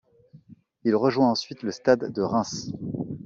Il rejoint ensuite le Stade de Reims.